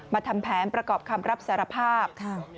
ทำแผนประกอบคำรับสารภาพ